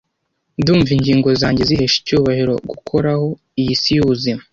Ndumva ingingo zanjye zihesha icyubahiro gukoraho iyi si yubuzima.